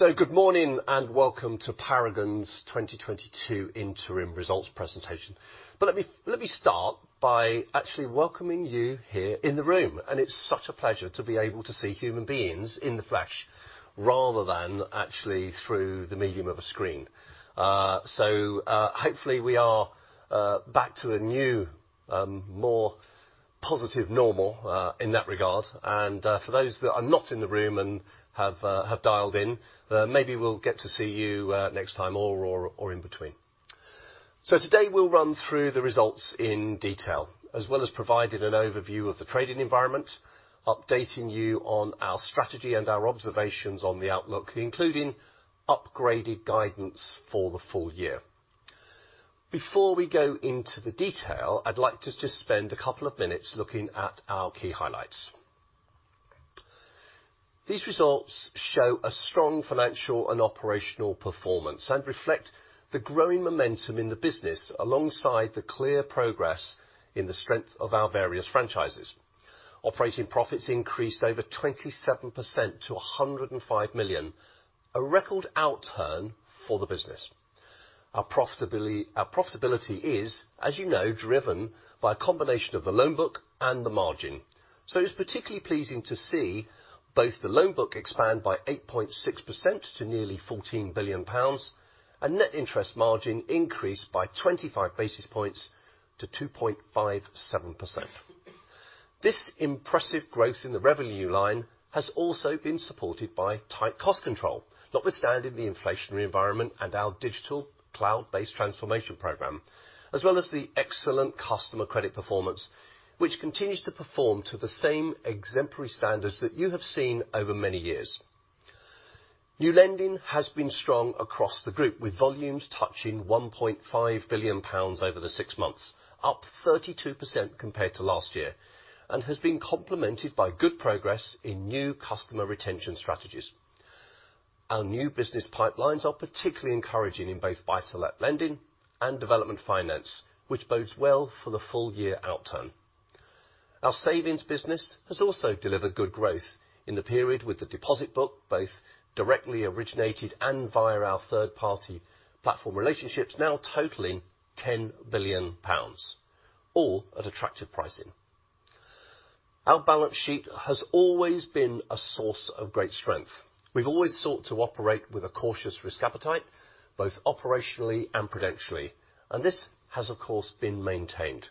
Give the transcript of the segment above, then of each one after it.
Good morning, and welcome to Paragon's 2022 interim results presentation. Let me start by actually welcoming you here in the room. It's such a pleasure to be able to see human beings in the flesh rather than actually through the medium of a screen. Hopefully we are back to a new more positive normal in that regard. For those that are not in the room and have dialed in, maybe we'll get to see you next time or in between. Today we'll run through the results in detail, as well as providing an overview of the trading environment, updating you on our strategy and our observations on the outlook, including upgraded guidance for the full year. Before we go into the detail, I'd like to just spend a couple of minutes looking at our key highlights. These results show a strong financial and operational performance and reflect the growing momentum in the business alongside the clear progress in the strength of our various franchises. Operating profits increased over 27% to 105 million, a record outturn for the business. Our profitability is, as you know, driven by a combination of the loan book and the margin. It's particularly pleasing to see both the loan book expand by 8.6% to nearly 14 billion pounds, and net interest margin increased by 25 basis points to 2.57%. This impressive growth in the revenue line has also been supported by tight cost control, notwithstanding the inflationary environment and our digital cloud-based transformation program, as well as the excellent customer credit performance, which continues to perform to the same exemplary standards that you have seen over many years. New lending has been strong across the group, with volumes touching 1.5 billion pounds over the six months, up 32% compared to last year, and has been complemented by good progress in new customer retention strategies. Our new business pipelines are particularly encouraging in both buy-to-let lending and development finance, which bodes well for the full year outturn. Our savings business has also delivered good growth in the period with the deposit book, both directly originated and via our third-party platform relationships now totaling 10 billion pounds, all at attractive pricing. Our balance sheet has always been a source of great strength. We've always sought to operate with a cautious risk appetite, both operationally and prudentially, and this has of course been maintained.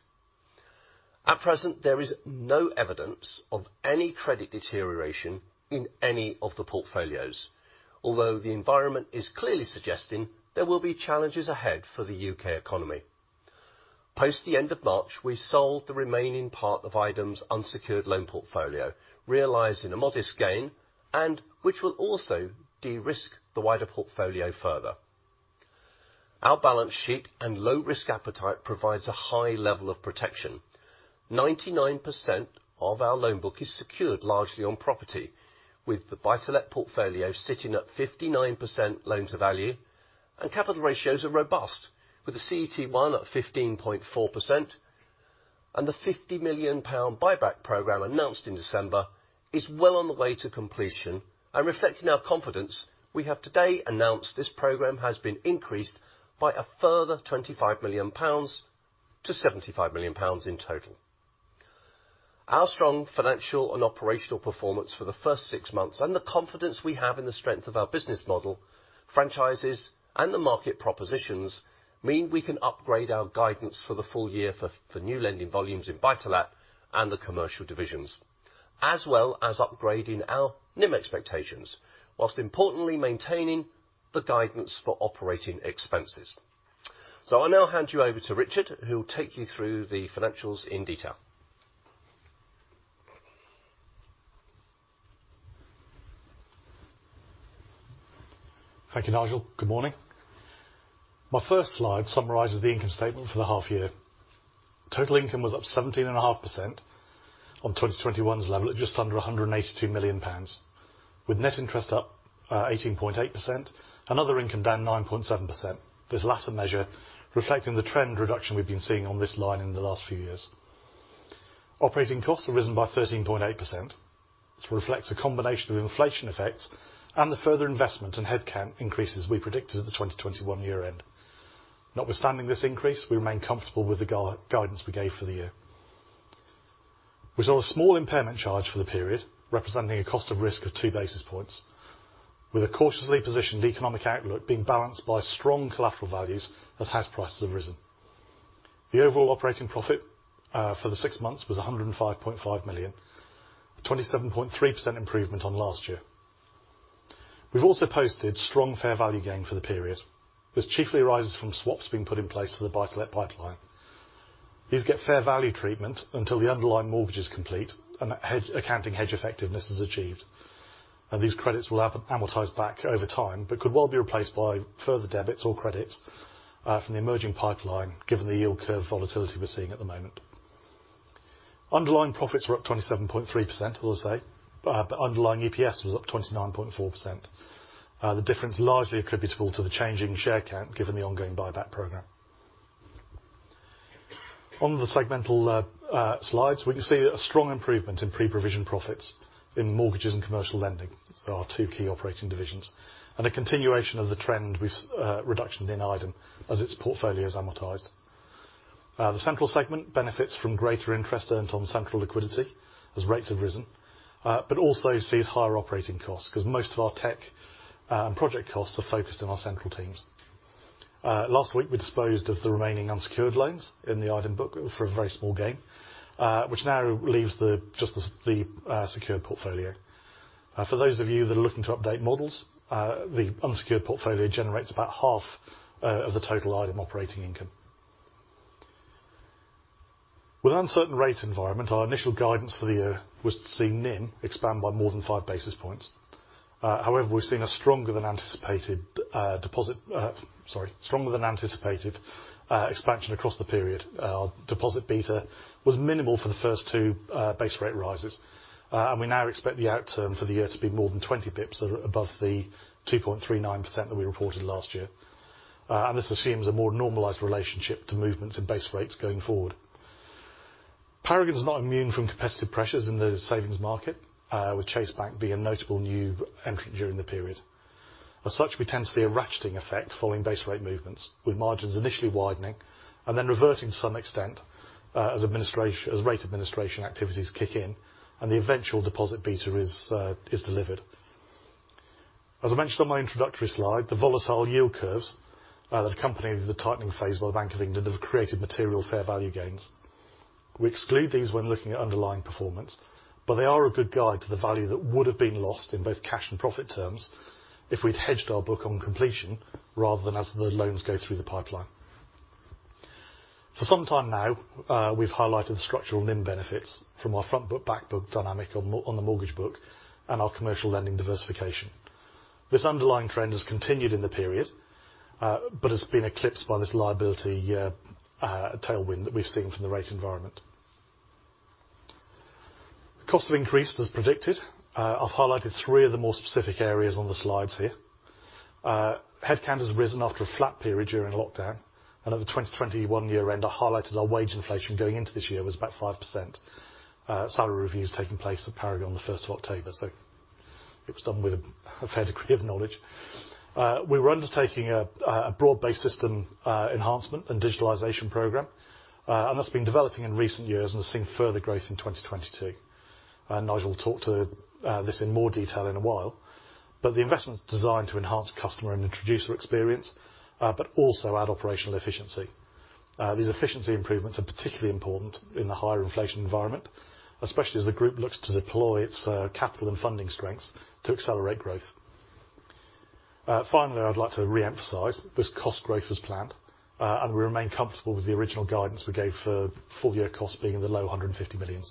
At present, there is no evidence of any credit deterioration in any of the portfolios, although the environment is clearly suggesting there will be challenges ahead for the UK economy. Post the end of March, we sold the remaining part of Idem's unsecured loan portfolio, realizing a modest gain and which will also de-risk the wider portfolio further. Our balance sheet and low risk appetite provides a high level of protection. 99% of our loan book is secured largely on property, with the buy-to-let portfolio sitting at 59% loan-to-value, and capital ratios are robust, with the CET1 at 15.4%, and the 50 million pound buyback program announced in December is well on the way to completion. Reflecting our confidence, we have today announced this program has been increased by a further 25 million pounds to 75 million pounds in total. Our strong financial and operational performance for the first six months and the confidence we have in the strength of our business model, franchises, and the market propositions mean we can upgrade our guidance for the full year for new lending volumes in buy-to-let and the commercial divisions, as well as upgrading our NIM expectations, whilst importantly maintaining the guidance for operating expenses. I'll now hand you over to Richard, who will take you through the financials in detail. Thank you, Nigel. Good morning. My first slide summarizes the income statement for the half year. Total income was up 17.5% on 2021's level at just under 182 million pounds, with net interest up 18.8%, and other income down 9.7%. This latter measure reflecting the trend reduction we've been seeing on this line in the last few years. Operating costs have risen by 13.8%. This reflects a combination of inflation effects and the further investment in headcount increases we predicted at the 2021 year end. Notwithstanding this increase, we remain comfortable with the guidance we gave for the year. We saw a small impairment charge for the period, representing a cost of risk of two basis points, with a cautiously positioned economic outlook being balanced by strong collateral values as house prices have risen. The overall operating profit for the six months was 105.5 million, a 27.3% improvement on last year. We've also posted strong fair value gain for the period. This chiefly arises from swaps being put in place for the buy-to-let pipeline. These get fair value treatment until the underlying mortgage is complete and accounting hedge effectiveness is achieved. These credits will amortize back over time, but could well be replaced by further debits or credits from the emerging pipeline, given the yield curve volatility we're seeing at the moment. Underlying profits were up 27.3%, as I say, but underlying EPS was up 29.4%. The difference largely attributable to the change in share count, given the ongoing buyback program. On the segmental slides, we can see a strong improvement in pre-provision profits in mortgages and commercial lending. That's our two key operating divisions. A continuation of the trend with reduction in Idem as its portfolio is amortized. The central segment benefits from greater interest earned on central liquidity as rates have risen. Also sees higher operating costs because most of our tech project costs are focused on our central teams. Last week we disposed of the remaining unsecured loans in the Idem book for a very small gain, which now leaves just the secured portfolio. For those of you that are looking to update models, the unsecured portfolio generates about half of the total Idem operating income. With uncertain rate environment, our initial guidance for the year was to see NIM expand by more than 5 basis points. However, we've seen a stronger than anticipated expansion across the period. Deposit beta was minimal for the first two base rate rises. We now expect the outcome for the year to be more than 20 pips above the 2.39% that we reported last year. This assumes a more normalized relationship to movements in base rates going forward. Paragon is not immune from competitive pressures in the savings market, with Chase Bank being a notable new entry during the period. As such, we tend to see a ratcheting effect following base rate movements, with margins initially widening and then reverting to some extent, as rate administration activities kick in and the eventual deposit beta is delivered. As I mentioned on my introductory slide, the volatile yield curves that accompanied the tightening phase by the Bank of England have created material fair value gains. We exclude these when looking at underlying performance, but they are a good guide to the value that would have been lost in both cash and profit terms if we'd hedged our book on completion rather than as the loans go through the pipeline. For some time now, we've highlighted the structural NIM benefits from our front book, back book dynamic on the mortgage book and our commercial lending diversification. This underlying trend has continued in the period, but has been eclipsed by this liability tailwind that we've seen from the rate environment. Costs have increased as predicted. I've highlighted three of the more specific areas on the slides here. Headcount has risen after a flat period during lockdown, and at the 2021 year end, I highlighted our wage inflation going into this year was about 5%, salary reviews taking place at Paragon the first of October. It was done with a fair degree of knowledge. We were undertaking a broad-based system enhancement and digitalization program, and that's been developing in recent years and has seen further growth in 2022. Nigel will talk to this in more detail in a while. The investment's designed to enhance customer and introducer experience, but also add operational efficiency. These efficiency improvements are particularly important in the higher inflation environment, especially as the group looks to deploy its capital and funding strengths to accelerate growth. Finally, I'd like to reemphasize this cost growth as planned, and we remain comfortable with the original guidance we gave for full-year cost being in the low 150 million.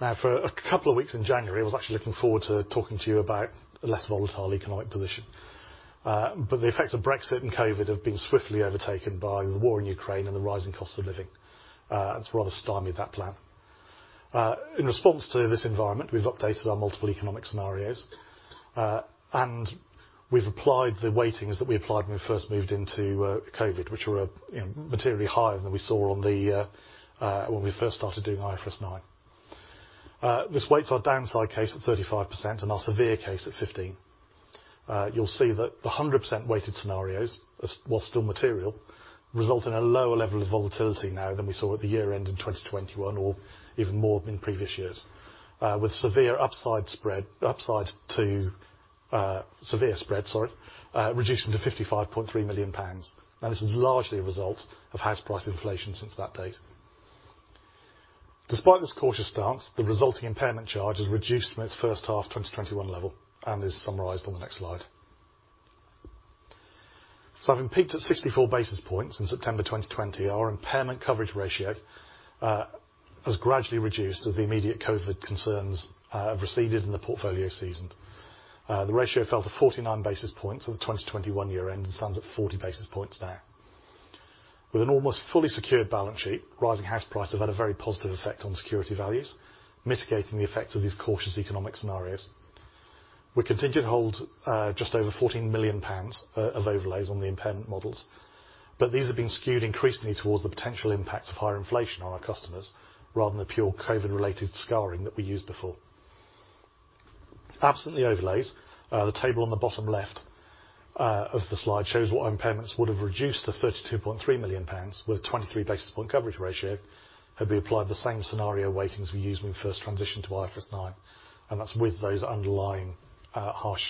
Now, for a couple of weeks in January, I was actually looking forward to talking to you about a less volatile economic position. The effects of Brexit and COVID have been swiftly overtaken by the war in Ukraine and the rising cost of living. It's rather stymied that plan. In response to this environment, we've updated our multiple economic scenarios, and we've applied the weightings that we applied when we first moved into COVID, which were, you know, materially higher than we saw when we first started doing IFRS 9. This weights our downside case at 35% and our severe case at 15%. You'll see that the 100% weighted scenarios, while still material, result in a lower level of volatility now than we saw at the year-end in 2021 or even more than in previous years. With upside to severe spread reducing to 55.3 million pounds. Now, this is largely a result of house price inflation since that date. Despite this cautious stance, the resulting impairment charge has reduced from its H1 2021 level and is summarized on the next slide. Having peaked at 64 basis points in September 2020, our impairment coverage ratio has gradually reduced as the immediate COVID concerns have receded and the portfolio seasoned. The ratio fell to 49 basis points at the 2021 year end and stands at 40 basis points now. With an almost fully secured balance sheet, rising house prices have had a very positive effect on security values, mitigating the effects of these cautious economic scenarios. We continue to hold just over 14 million pounds of overlays on the impairment models, but these have been skewed increasingly towards the potential impacts of higher inflation on our customers rather than the pure COVID related scarring that we used before. Absent the overlays, the table on the bottom left of the slide shows what impairments would have reduced to 32.3 million pounds, with a 23 basis point coverage ratio had we applied the same scenario weightings we used when we first transitioned to IFRS 9, and that's with those underlying harsh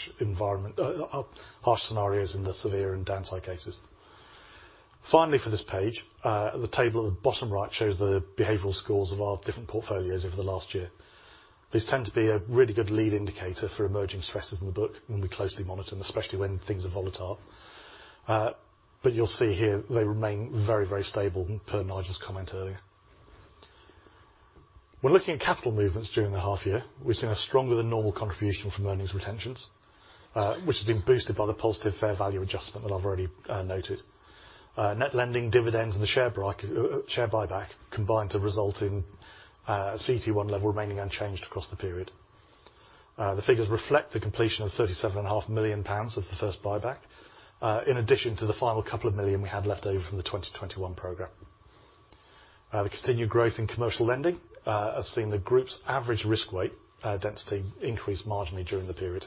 scenarios in the severe and downside cases. Finally for this page, the table at the bottom right shows the behavioral scores of our different portfolios over the last year. These tend to be a really good lead indicator for emerging stresses in the book, and we closely monitor them, especially when things are volatile. You'll see here they remain very, very stable, per Nigel's comment earlier. When looking at capital movements during the half year, we've seen a stronger than normal contribution from earnings retentions, which has been boosted by the positive fair value adjustment that I've already noted. Net lending dividends and the share buyback combined to result in CET1 level remaining unchanged across the period. The figures reflect the completion of 37 and a half million of the first buyback, in addition to the final couple of million we had left over from the 2021 program. The continued growth in commercial lending has seen the group's average risk weight density increase marginally during the period.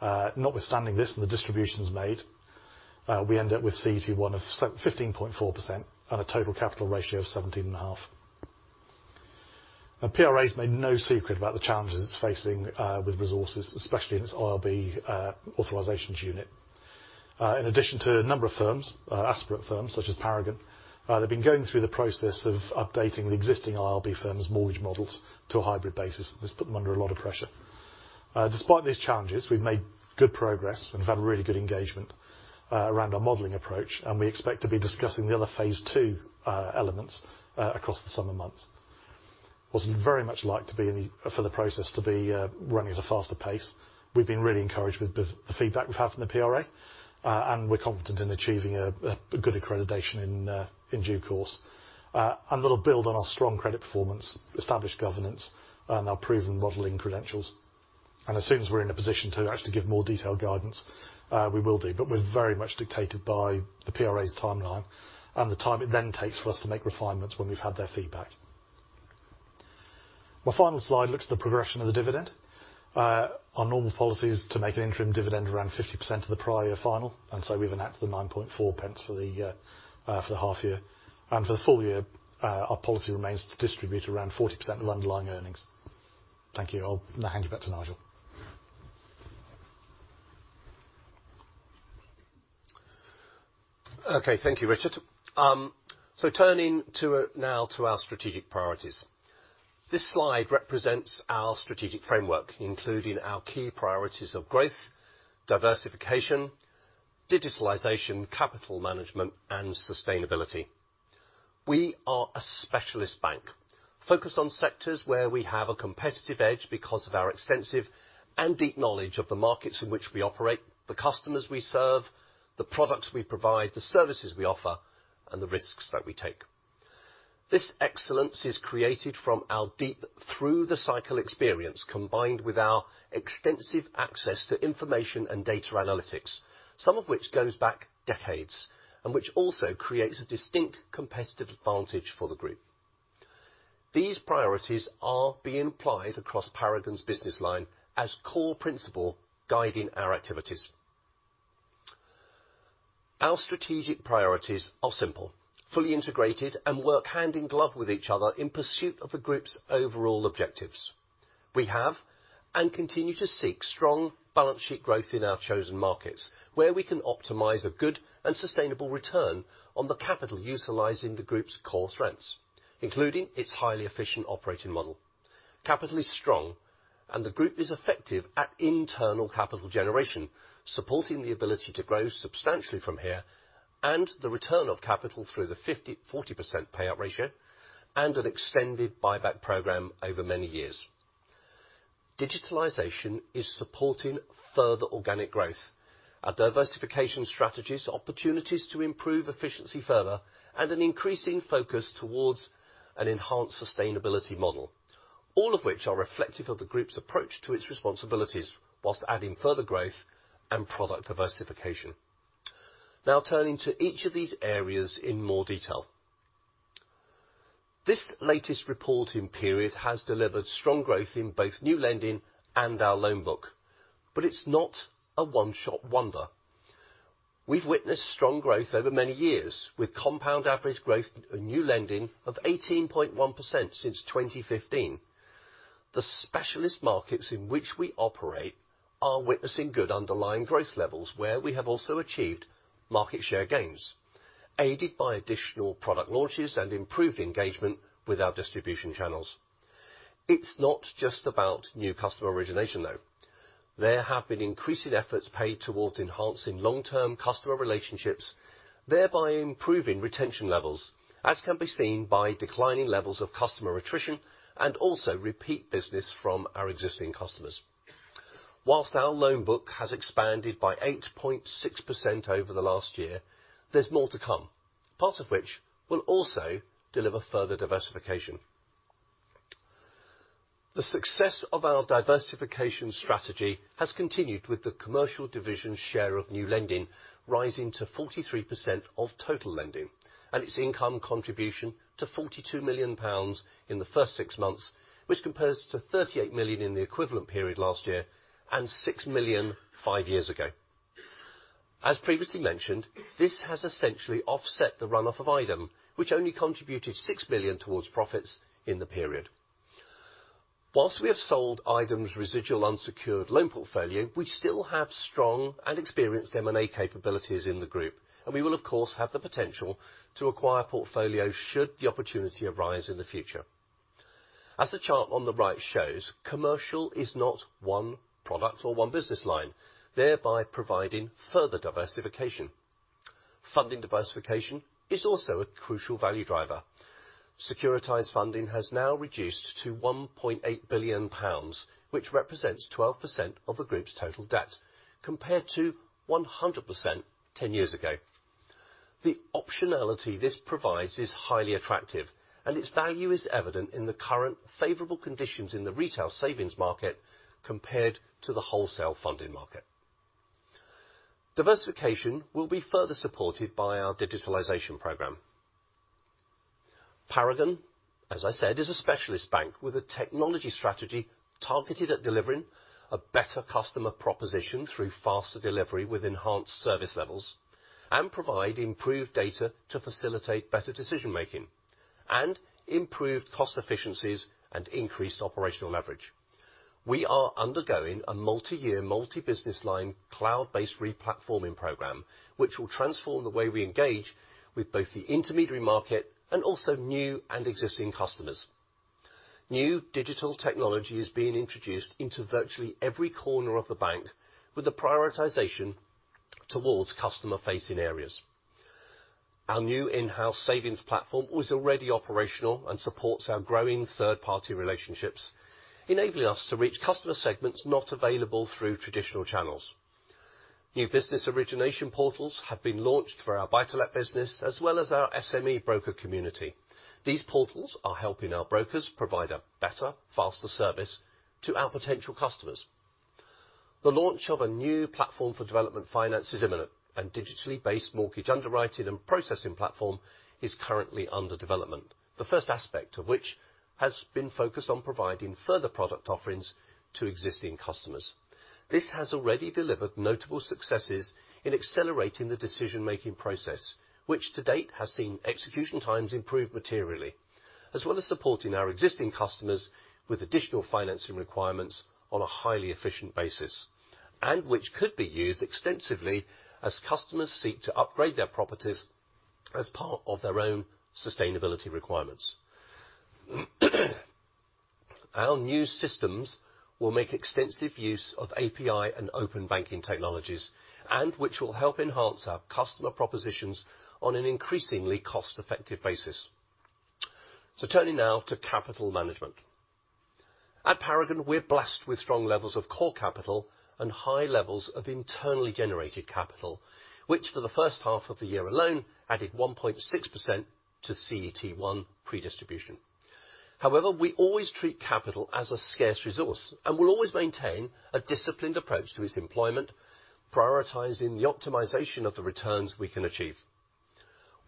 Notwithstanding this and the distributions made, we end up with CET1 of 15.4% and a total capital ratio of 17.5%. PRA has made no secret about the challenges it's facing with resources, especially in its IRB authorizations unit. In addition to a number of firms, aspirant firms such as Paragon, they've been going through the process of updating the existing IRB firm's mortgage models to a hybrid basis. This put them under a lot of pressure. Despite these challenges, we've made good progress and we've had really good engagement around our modeling approach, and we expect to be discussing the other phase two elements across the summer months. Whilst we'd very much like for the process to be running at a faster pace, we've been really encouraged with the feedback we've had from the PRA, and we're confident in achieving a good accreditation in due course. That'll build on our strong credit performance, established governance, and our proven modeling credentials. As soon as we're in a position to actually give more detailed guidance, we will do. We're very much dictated by the PRA's timeline and the time it then takes for us to make refinements when we've had their feedback. My final slide looks at the progression of the dividend. Our normal policy is to make an interim dividend around 50% of the prior year final, and so we've enhanced the 0.094 for the half year. For the full year, our policy remains to distribute around 40% of underlying earnings. Thank you. I'll now hand you back to Nigel. Okay, thank you, Richard. Turning to our strategic priorities. This slide represents our strategic framework, including our key priorities of growth, diversification, digitalization, capital management, and sustainability. We are a specialist bank focused on sectors where we have a competitive edge because of our extensive and deep knowledge of the markets in which we operate, the customers we serve, the products we provide, the services we offer, and the risks that we take. This excellence is created from our deep through the cycle experience combined with our extensive access to information and data analytics, some of which goes back decades and which also creates a distinct competitive advantage for the group. These priorities are being applied across Paragon's business line as core principle guiding our activities. Our strategic priorities are simple, fully integrated, and work hand in glove with each other in pursuit of the group's overall objectives. We have and continue to seek strong balance sheet growth in our chosen markets, where we can optimize a good and sustainable return on the capital utilizing the group's core strengths, including its highly efficient operating model. Capital is strong and the group is effective at internal capital generation, supporting the ability to grow substantially from here and the return of capital through the 50%-40% payout ratio and an extended buyback program over many years. Digitalization is supporting further organic growth. Our diversification strategies are opportunities to improve efficiency further and an increasing focus towards an enhanced sustainability model, all of which are reflective of the group's approach to its responsibilities whilst adding further growth and product diversification. Now turning to each of these areas in more detail. This latest reporting period has delivered strong growth in both new lending and our loan book, but it's not a one-shot wonder. We've witnessed strong growth over many years with compound average growth in new lending of 18.1% since 2015. The specialist markets in which we operate are witnessing good underlying growth levels, where we have also achieved market share gains, aided by additional product launches and improved engagement with our distribution channels. It's not just about new customer origination, though. There have been increasing efforts paid towards enhancing long-term customer relationships, thereby improving retention levels, as can be seen by declining levels of customer attrition and also repeat business from our existing customers. Whilst our loan book has expanded by 8.6% over the last year, there's more to come. Part of which will also deliver further diversification. The success of our diversification strategy has continued with the commercial division's share of new lending rising to 43% of total lending and its income contribution to 42 million pounds in the first six months, which compares to 38 million in the equivalent period last year and 6 million five years ago. As previously mentioned, this has essentially offset the run-off of Idem, which only contributed 6 million towards profits in the period. Whilst we have sold Idem's residual unsecured loan portfolio, we still have strong and experienced M&A capabilities in the group, and we will of course have the potential to acquire portfolios should the opportunity arise in the future. As the chart on the right shows, commercial is not one product or one business line, thereby providing further diversification. Funding diversification is also a crucial value driver. Securitized funding has now reduced to 1.8 billion pounds, which represents 12% of the group's total debt, compared to 100% 10 years ago. The optionality this provides is highly attractive, and its value is evident in the current favorable conditions in the retail savings market compared to the wholesale funding market. Diversification will be further supported by our digitalization program. Paragon, as I said, is a specialist bank with a technology strategy targeted at delivering a better customer proposition through faster delivery with enhanced service levels, and provide improved data to facilitate better decision-making, and improve cost efficiencies and increase operational leverage. We are undergoing a multiyear, multibusiness line cloud-based replatforming program, which will transform the way we engage with both the intermediary market and also new and existing customers. New digital technology is being introduced into virtually every corner of the bank with a prioritization towards customer-facing areas. Our new in-house savings platform was already operational and supports our growing third-party relationships, enabling us to reach customer segments not available through traditional channels. New business origination portals have been launched for our buy-to-let business, as well as our SME broker community. These portals are helping our brokers provide a better, faster service to our potential customers. The launch of a new platform for development finance is imminent, and digitally based mortgage underwriting and processing platform is currently under development. The first aspect of which has been focused on providing further product offerings to existing customers. This has already delivered notable successes in accelerating the decision-making process, which to date has seen execution times improve materially, as well as supporting our existing customers with additional financing requirements on a highly efficient basis, and which could be used extensively as customers seek to upgrade their properties as part of their own sustainability requirements. Our new systems will make extensive use of API and open banking technologies, and which will help enhance our customer propositions on an increasingly cost-effective basis. Turning now to capital management. At Paragon, we're blessed with strong levels of core capital and high levels of internally generated capital, which for the H1 of the year alone, added 1.6% to CET1 pre-distribution. However, we always treat capital as a scarce resource and will always maintain a disciplined approach to its employment, prioritizing the optimization of the returns we can achieve.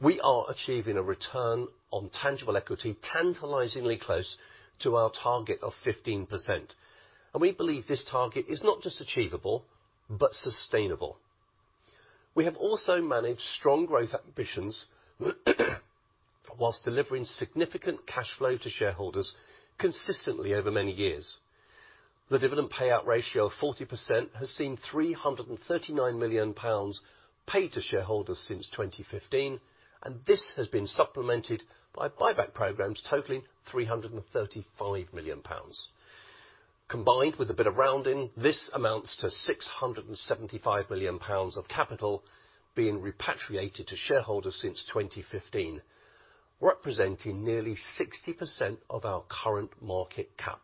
We are achieving a return on tangible equity tantalizingly close to our target of 15%, and we believe this target is not just achievable but sustainable. We have also managed strong growth ambitions whilst delivering significant cash flow to shareholders consistently over many years. The dividend payout ratio of 40% has seen 339 million pounds paid to shareholders since 2015, and this has been supplemented by buyback programs totaling 335 million pounds. Combined with a bit of rounding, this amounts to 675 million pounds of capital being repatriated to shareholders since 2015, representing nearly 60% of our current market cap.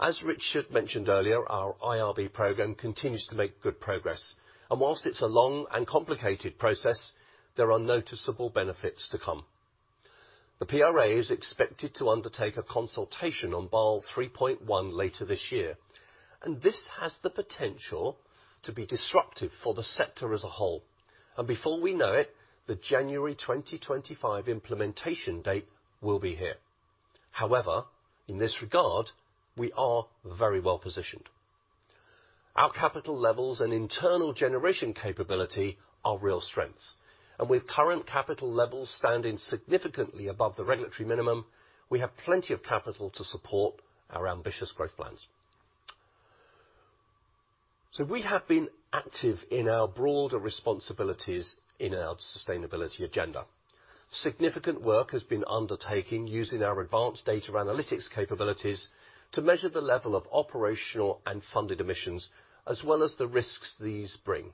As Richard mentioned earlier, our IRB program continues to make good progress, and whilst it's a long and complicated process, there are noticeable benefits to come. The PRA is expected to undertake a consultation on Basel 3.1 later this year, and this has the potential to be disruptive for the sector as a whole. Before we know it, the January 2025 implementation date will be here. However, in this regard, we are very well positioned. Our capital levels and internal generation capability are real strengths, and with current capital levels standing significantly above the regulatory minimum, we have plenty of capital to support our ambitious growth plans. We have been active in our broader responsibilities in our sustainability agenda. Significant work has been undertaken using our advanced data analytics capabilities to measure the level of operational and funded emissions, as well as the risks these bring.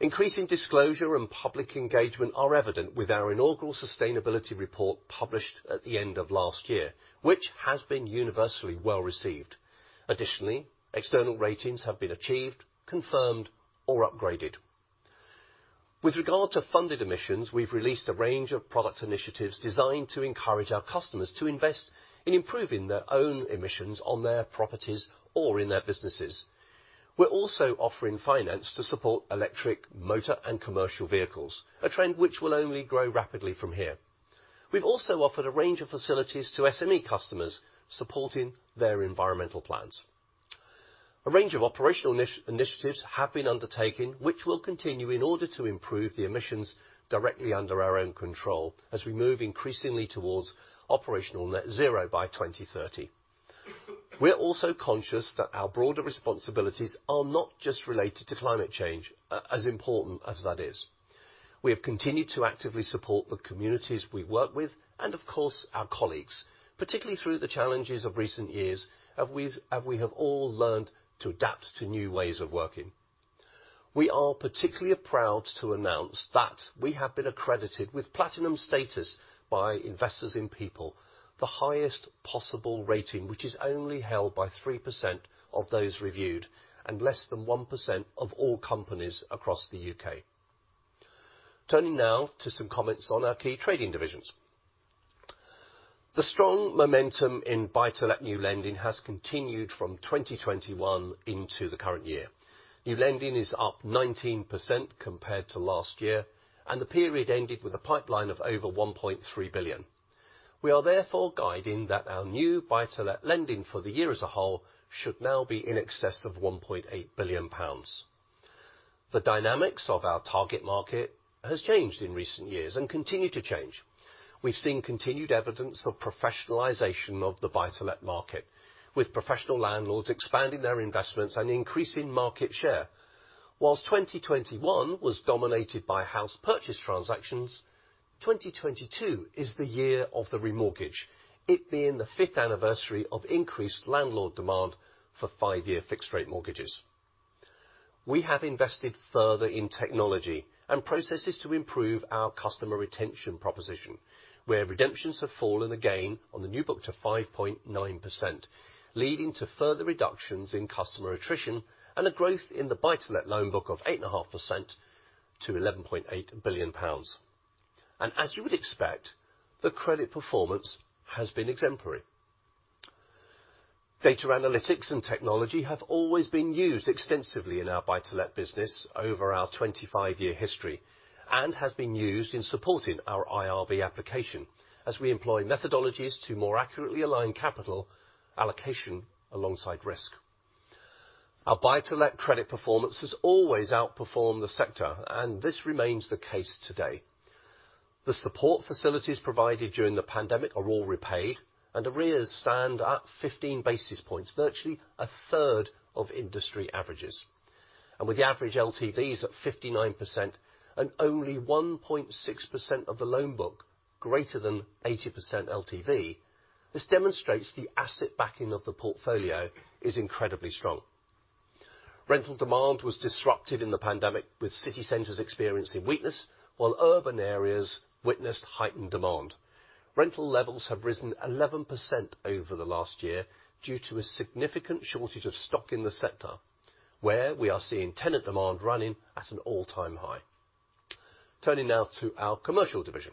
Increasing disclosure and public engagement are evident with our inaugural sustainability report published at the end of last year, which has been universally well-received. Additionally, external ratings have been achieved, confirmed, or upgraded. With regard to funded emissions, we've released a range of product initiatives designed to encourage our customers to invest in improving their own emissions on their properties or in their businesses. We're also offering finance to support electric motor and commercial vehicles, a trend which will only grow rapidly from here. We've also offered a range of facilities to SME customers supporting their environmental plans. A range of operational initiatives have been undertaken, which will continue in order to improve the emissions directly under our own control as we move increasingly towards operational net zero by 2030. We are also conscious that our broader responsibilities are not just related to climate change, as important as that is. We have continued to actively support the communities we work with and, of course, our colleagues, particularly through the challenges of recent years, and we have all learned to adapt to new ways of working. We are particularly proud to announce that we have been accredited with platinum status by Investors in People, the highest possible rating, which is only held by 3% of those reviewed and less than 1% of all companies across the U.K.. Turning now to some comments on our key trading divisions. The strong momentum in buy-to-let new lending has continued from 2021 into the current year. New lending is up 19% compared to last year, and the period ended with a pipeline of over 1.3 billion. We are therefore guiding that our new buy-to-let lending for the year as a whole should now be in excess of 1.8 billion pounds. The dynamics of our target market has changed in recent years and continue to change. We've seen continued evidence of professionalization of the buy-to-let market, with professional landlords expanding their investments and increasing market share. Whilst 2021 was dominated by house purchase transactions, 2022 is the year of the remortgage, it being the fifth anniversary of increased landlord demand for five-year fixed rate mortgages. We have invested further in technology and processes to improve our customer retention proposition, where redemptions have fallen again on the new book to 5.9%, leading to further reductions in customer attrition and a growth in the buy-to-let loan book of 8.5% to 11.8 billion pounds. As you would expect, the credit performance has been exemplary. Data analytics and technology have always been used extensively in our buy-to-let business over our 25-year history, and has been used in supporting our IRB application as we employ methodologies to more accurately align capital allocation alongside risk. Our buy-to-let credit performance has always outperformed the sector, and this remains the case today. The support facilities provided during the pandemic are all repaid, and arrears stand at 15 basis points, virtually a third of industry averages. With the average LTVs at 59% and only 1.6% of the loan book greater than 80% LTV, this demonstrates the asset backing of the portfolio is incredibly strong. Rental demand was disrupted in the pandemic, with city centers experiencing weakness, while urban areas witnessed heightened demand. Rental levels have risen 11% over the last year due to a significant shortage of stock in the sector, where we are seeing tenant demand running at an all-time high. Turning now to our commercial division.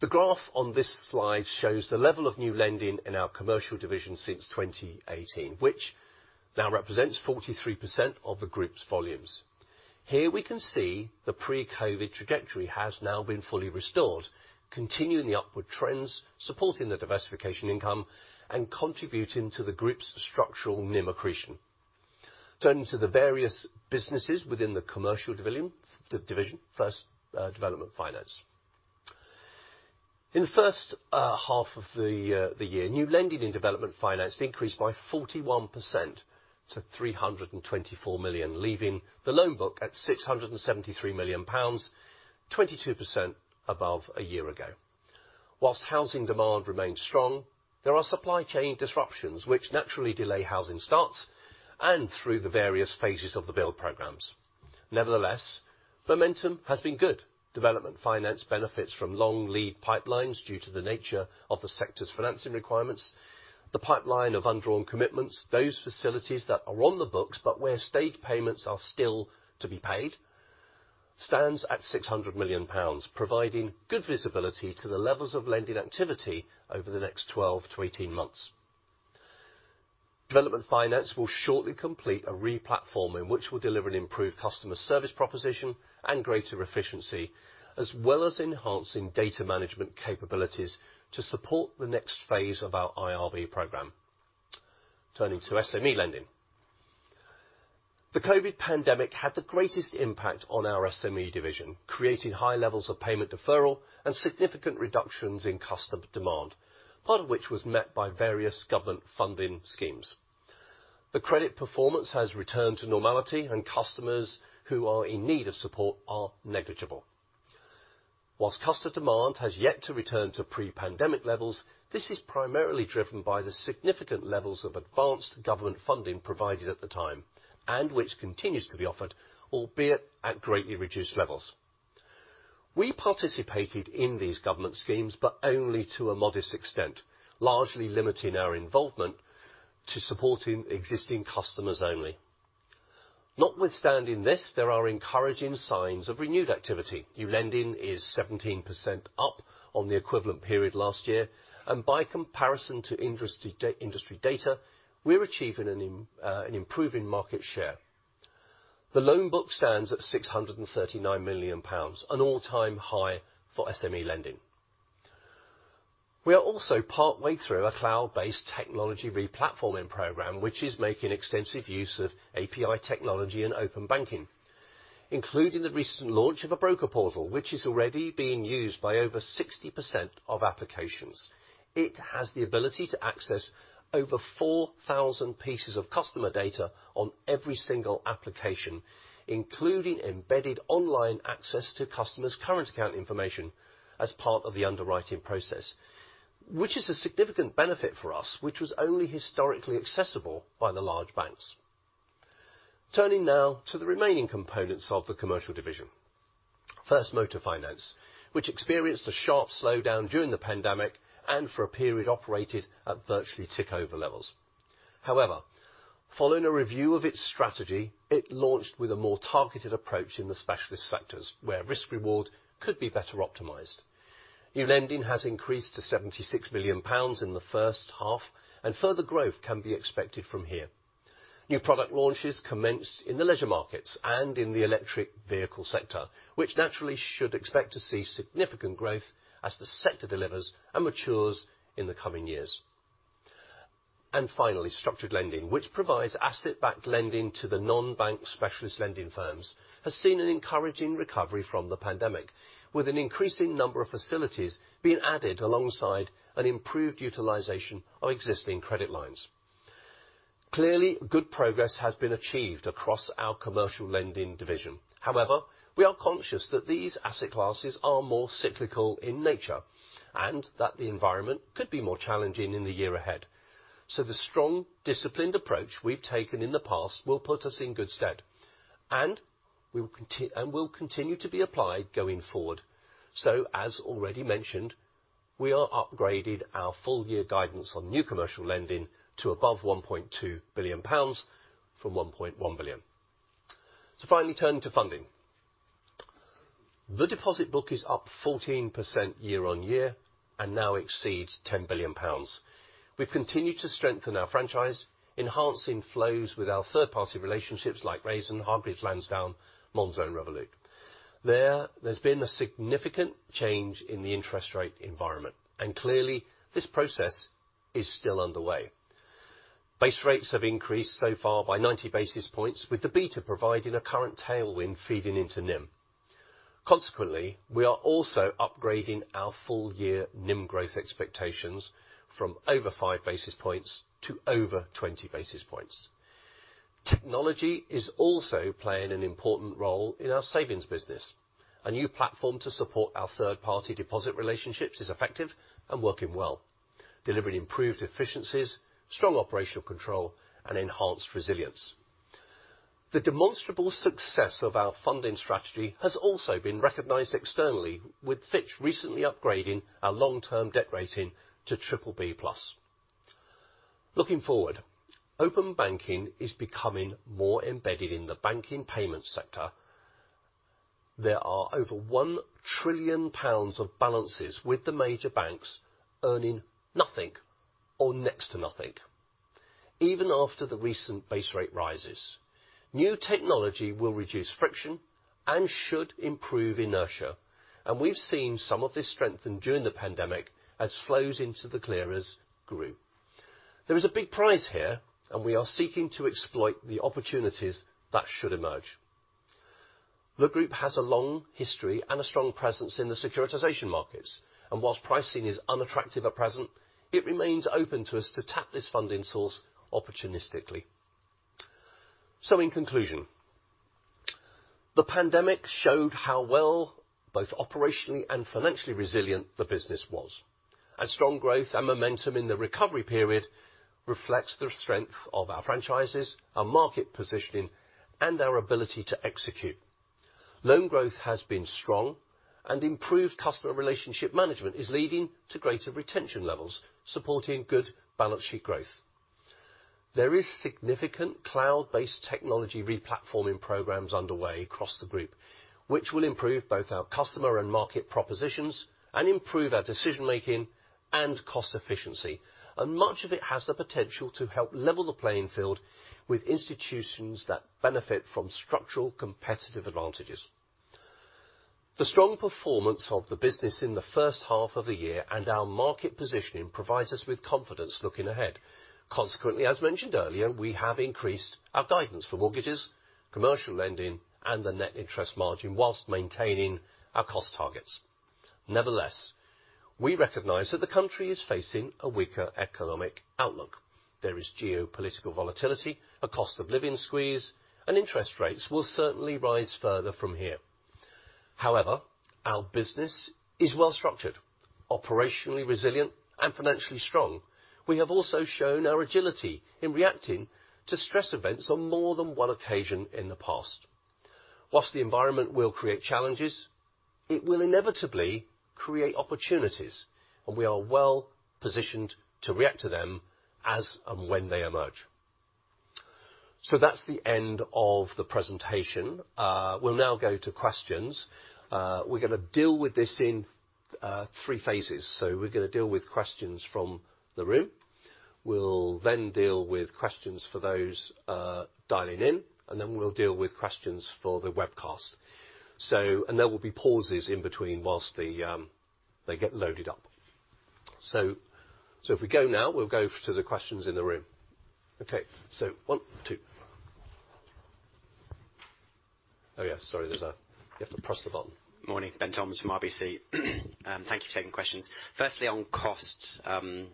The graph on this slide shows the level of new lending in our commercial division since 2018, which now represents 43% of the group's volumes. Here we can see the pre-COVID trajectory has now been fully restored, continuing the upward trends, supporting the diversification income, and contributing to the group's structural NIM accretion. Turning to the various businesses within the commercial division. First, development finance. In the H1 of the year, new lending in development finance increased by 41% to 324 million, leaving the loan book at 673 million pounds, 22% above a year ago. While housing demand remains strong, there are supply chain disruptions which naturally delay housing starts and through the various phases of the build programs. Nevertheless, momentum has been good. Development finance benefits from long lead pipelines due to the nature of the sector's financing requirements. The pipeline of undrawn commitments, those facilities that are on the books but where stage payments are still to be paid, stands at 600 million pounds, providing good visibility to the levels of lending activity over the next 12-18 months. Development finance will shortly complete a replatforming, which will deliver an improved customer service proposition and greater efficiency, as well as enhancing data management capabilities to support the next phase of our IRB program. Turning to SME lending. The COVID pandemic had the greatest impact on our SME division, creating high levels of payment deferral and significant reductions in customer demand, part of which was met by various government funding schemes. The credit performance has returned to normality, and customers who are in need of support are negligible. While customer demand has yet to return to pre-pandemic levels, this is primarily driven by the significant levels of advanced government funding provided at the time, and which continues to be offered, albeit at greatly reduced levels. We participated in these government schemes, but only to a modest extent, largely limiting our involvement to supporting existing customers only. Notwithstanding this, there are encouraging signs of renewed activity. New lending is 17% up on the equivalent period last year, and by comparison to industry data, we're achieving an improving market share. The loan book stands at 639 million pounds, an all-time high for SME lending. We are also partway through a cloud-based technology replatforming program, which is making extensive use of API technology and open banking, including the recent launch of a broker portal, which is already being used by over 60% of applications. It has the ability to access over 4,000 pieces of customer data on every single application, including embedded online access to customers' current account information as part of the underwriting process, which is a significant benefit for us, which was only historically accessible by the large banks. Turning now to the remaining components of the commercial division. First, motor finance, which experienced a sharp slowdown during the pandemic and for a period operated at virtually tick over levels. However, following a review of its strategy, it launched with a more targeted approach in the specialist sectors, where risk reward could be better optimized. New lending has increased to GBP 76 million in the H1, and further growth can be expected from here. New product launches commenced in the leisure markets and in the electric vehicle sector, which naturally should expect to see significant growth as the sector delivers and matures in the coming years. Finally, structured lending, which provides asset-backed lending to the non-bank specialist lending firms, has seen an encouraging recovery from the pandemic, with an increasing number of facilities being added alongside an improved utilization of existing credit lines. Clearly, good progress has been achieved across our commercial lending division. However, we are conscious that these asset classes are more cyclical in nature and that the environment could be more challenging in the year ahead. The strong, disciplined approach we've taken in the past will put us in good stead, and we will continue to be applied going forward. As already mentioned, we have upgraded our full year guidance on new commercial lending to above 1.2 billion pounds from 1.1 billion. To finally turn to funding. The deposit book is up 14% year-on-year and now exceeds 10 billion pounds. We've continued to strengthen our franchise, enhancing flows with our third-party relationships like Raisin, Hargreaves Lansdown, Monzo, and Revolut. There's been a significant change in the interest rate environment, and clearly this process is still underway. Base rates have increased so far by 90 basis points, with the beta providing a current tailwind feeding into NIM. Consequently, we are also upgrading our full year NIM growth expectations from over 5 basis points to over 20 basis points. Technology is also playing an important role in our savings business. A new platform to support our third-party deposit relationships is effective and working well, delivering improved efficiencies, strong operational control, and enhanced resilience. The demonstrable success of our funding strategy has also been recognized externally, with Fitch recently upgrading our long-term debt rating to BBB+. Looking forward, open banking is becoming more embedded in the banking payments sector. There are over 1 trillion pounds of balances, with the major banks earning nothing or next to nothing. Even after the recent base rate rises, new technology will reduce friction and should improve inertia, and we've seen some of this strengthen during the pandemic as flows into the clearers grew. There is a big prize here, and we are seeking to exploit the opportunities that should emerge. The group has a long history and a strong presence in the securitization markets, and whilst pricing is unattractive at present, it remains open to us to tap this funding source opportunistically. In conclusion, the pandemic showed how well, both operationally and financially resilient the business was. A strong growth and momentum in the recovery period reflects the strength of our franchises, our market positioning, and our ability to execute. Loan growth has been strong and improved customer relationship management is leading to greater retention levels, supporting good balance sheet growth. There is significant cloud-based technology re-platforming programs underway across the group, which will improve both our customer and market propositions and improve our decision-making and cost efficiency. Much of it has the potential to help level the playing field with institutions that benefit from structural competitive advantages. The strong performance of the business in the H1 of the year and our market positioning provides us with confidence looking ahead. Consequently, as mentioned earlier, we have increased our guidance for mortgages, commercial lending, and the net interest margin while maintaining our cost targets. Nevertheless, we recognize that the country is facing a weaker economic outlook. There is geopolitical volatility, a cost of living squeeze, and interest rates will certainly rise further from here. However, our business is well structured, operationally resilient, and financially strong. We have also shown our agility in reacting to stress events on more than one occasion in the past. While the environment will create challenges, it will inevitably create opportunities, and we are well positioned to react to them as and when they emerge. That's the end of the presentation. We'll now go to questions. We're gonna deal with this in three phases. We're gonna deal with questions from the room. We'll then deal with questions for those dialing in, and then we'll deal with questions for the webcast. There will be pauses in between while they get loaded up. If we go now, we'll go to the questions in the room. Okay. One, two. Oh, yeah, sorry, there's a. You have to press the button. Morning, Benjamin Toms from RBC. Thank you for taking questions. Firstly, on costs,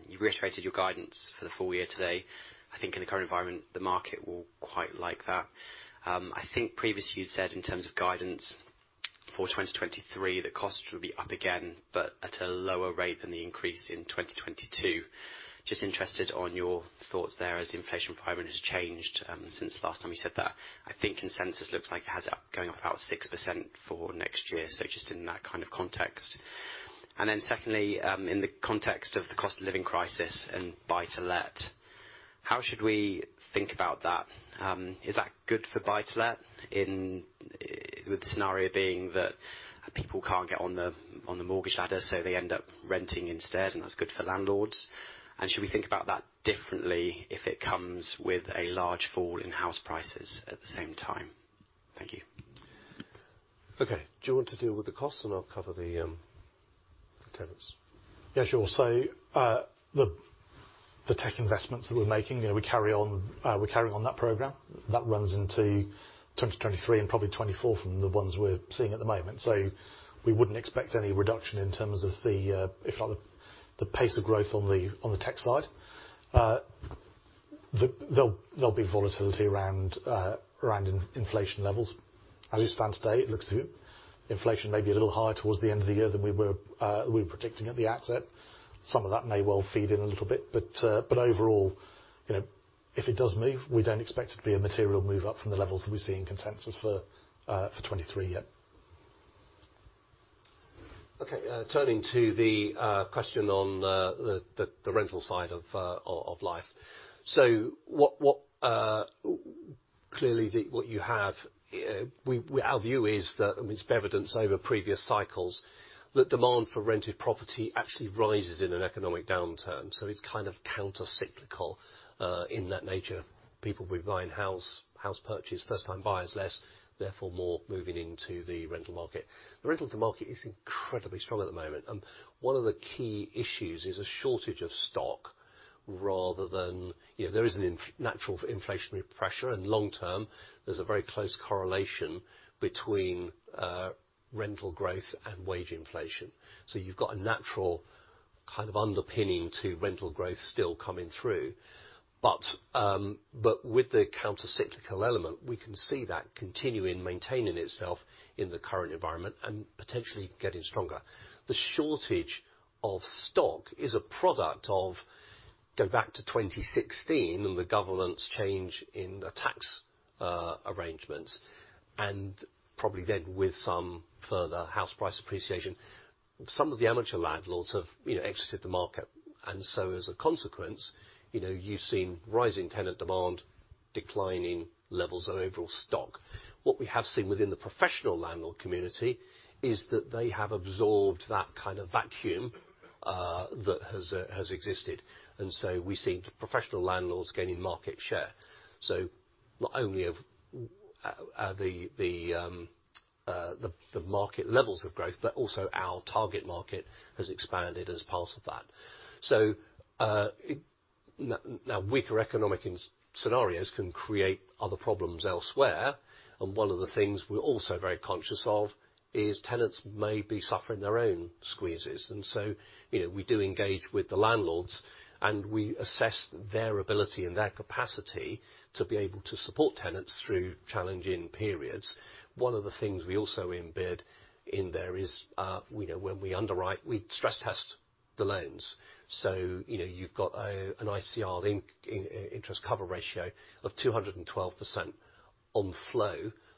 you reiterated your guidance for the full year today. I think in the current environment, the market will quite like that. I think previously you said in terms of guidance for 2023, the costs would be up again, but at a lower rate than the increase in 2022. Just interested in your thoughts there as the inflation environment has changed, since last time you said that. I think consensus looks like it has it up, going up about 6% for next year. Just in that kind of context. In the context of the cost of living crisis and buy-to-let, how should we think about that? Is that good for buy-to-let in, with the scenario being that people can't get on the mortgage ladder so they end up renting instead, and that's good for landlords? Should we think about that differently if it comes with a large fall in house prices at the same time? Thank you. Okay. Do you want to deal with the cost, and I'll cover the tenants? Yeah, sure. The tech investments that we're making, you know, we're carrying on that program. That runs into 2023 and probably 2024 from the ones we're seeing at the moment. We wouldn't expect any reduction in terms of if not the pace of growth on the tech side. There'll be volatility around inflation levels. As it stands today, it looks as if inflation may be a little higher towards the end of the year than we were predicting at the outset. Some of that may well feed in a little bit, but overall, you know, if it does move, we don't expect it to be a material move up from the levels that we see in consensus for 2023. Okay. Turning to the question on the rental side of life. Our view is that, I mean it's evidenced over previous cycles, that demand for rented property actually rises in an economic downturn, so it's kind of countercyclical of that nature. People will buy houses less, first-time buyers less, therefore more moving into the rental market. The rental market is incredibly strong at the moment, and one of the key issues is a shortage of stock rather than, you know, there is an inherent natural inflationary pressure, and long-term there's a very close correlation between rental growth and wage inflation. You've got a natural kind of underpinning to rental growth still coming through. With the countercyclical element, we can see that continuing maintaining itself in the current environment and potentially getting stronger. The shortage of stock is a product of going back to 2016 and the government's change in the tax arrangements and probably then with some further house price appreciation. Some of the amateur landlords have, you know, exited the market. As a consequence, you know, you've seen rising tenant demand, declining levels of overall stock. What we have seen within the professional landlord community is that they have absorbed that kind of vacuum that has existed. We've seen professional landlords gaining market share. Not only of the market levels of growth, but also our target market has expanded as part of that. Weaker economic scenarios can create other problems elsewhere, and one of the things we're also very conscious of is tenants may be suffering their own squeezes. You know, we do engage with the landlords, and we assess their ability and their capacity to be able to support tenants through challenging periods. One of the things we also embed in there is, you know, when we underwrite, we stress test the loans. You know, you've got an ICR, interest cover ratio of 212% on flow.